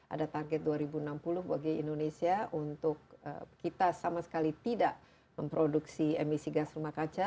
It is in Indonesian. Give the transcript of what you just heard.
ada target dua ribu enam puluh bagi indonesia untuk kita sama sekali tidak memproduksi emisi gas rumah kaca